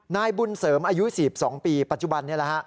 นายบุญเสริมอายุ๔๒ปีปัจจุบันนี้แหละฮะ